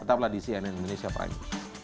tetaplah di cnn indonesia prime